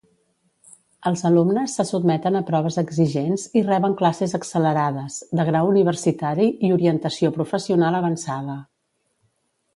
Els alumnes se sotmeten a proves exigents i reben classes accelerades, de grau universitari i orientació professional avançada.